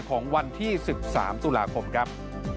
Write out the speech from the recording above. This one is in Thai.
ของวันที่๑๓ตุลาคมครับ